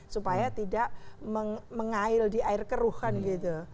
supaya tidak mengail di air keruhan gitu